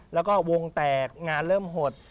แล้วก็วงแตกงานเริ่มหด